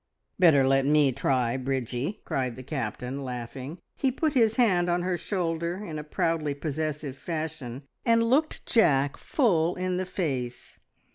"Better let me try, Bridgie!" cried the Captain, laughing. He put his hand on her shoulder in a proudly possessive fashion, and looked Jack full in the face.